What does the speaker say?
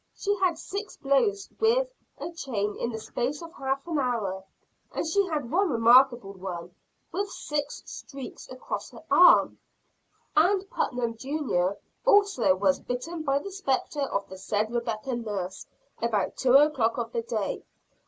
She had six blows with a chain in the space of half an hour; and she had one remarkable one, with six streaks across her arm. Ann Putnam, Jr., also was bitten by the spectre of the said Rebecca Nurse about two o'clock of the day.